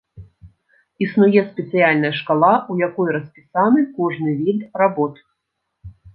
Існуе спецыяльная шкала, у якой распісаны кожны від работ.